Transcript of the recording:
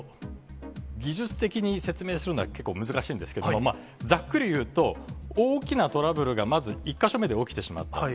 技術的に説明するのは、結構難しいんですけれども、ざっくり言うと、大きなトラブルがまず１か所目で起きてしまったと。